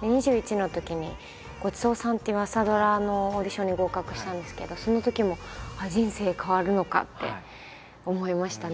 ２１のときに「ごちそうさん」っていう朝ドラのオーディションに合格したんですけどそのときもああ人生変わるのかって思いましたね。